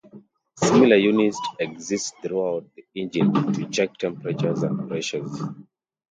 Similar units exist throughout the engine to check temperatures and pressures.